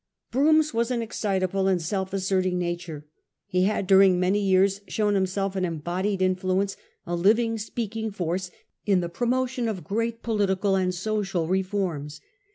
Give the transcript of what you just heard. Brougham's was an excitable and self asserting nature. He had during many years shown himself an embodied influence, a living speaking force in the promotion of great political and social reforms.